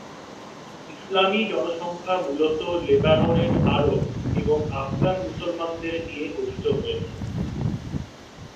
ইসলামি জনসংখ্যা মূলত লেবাননের আরব এবং আফগান মুসলমানদের নিয়ে গঠিত হয়েছে।